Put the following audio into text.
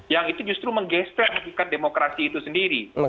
yang itu justru menggeser hakikat demokrasi itu sendiri